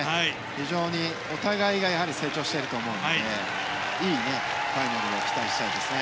非常に、やはりお互いが成長していると思うのでいいファイナルを期待したいですね。